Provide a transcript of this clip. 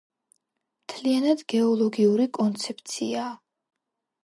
მთლიანად გეოლოგიური კონცეფციაა.